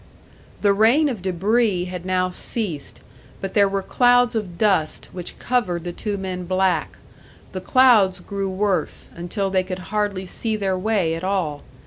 The rain of debris had now ceased, but there were clouds of dust which covered the two men black; the clouds grew worse, until they could hardly see their way at all.